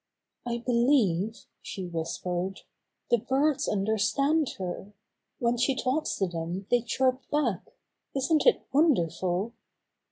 "I believe," she whispered, "the birds understand her. When she talks to them they chirp back. Isn't it wonderful?"